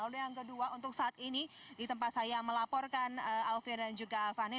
lalu yang kedua untuk saat ini di tempat saya melaporkan alfian dan juga fani